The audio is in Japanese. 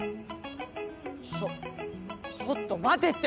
ちょちょっと待てって！